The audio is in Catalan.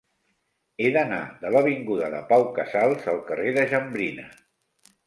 He d'anar de l'avinguda de Pau Casals al carrer de Jambrina.